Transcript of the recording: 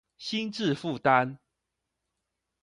心智負擔